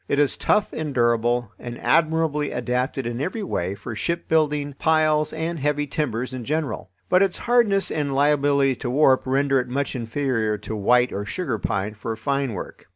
It is tough and durable and admirably adapted in every way for shipbuilding, piles, and heavy timbers in general. But its hardness and liability to warp render it much inferior to white or sugar pine for fine work.